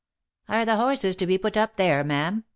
" Are the horses to be put up there, ma'am?"